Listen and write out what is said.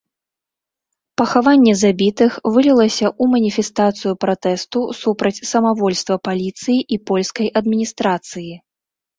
Пахаванне забітых вылілася ў маніфестацыю пратэсту супраць самавольства паліцыі і польскай адміністрацыі.